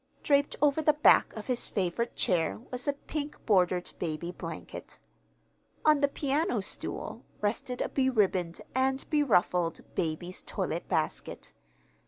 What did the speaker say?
Draped over the back of his favorite chair was a pink bordered baby blanket. On the piano stool rested a beribboned and beruffled baby's toilet basket.